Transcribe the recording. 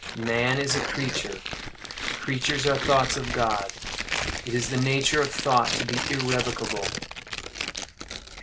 Man is a creature. Creatures are thoughts of God. It is the nature of thought to be irrevocable.